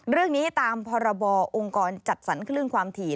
เรื่องนี้ตามพรบองค์กรจัดสรรคลื่นความถี่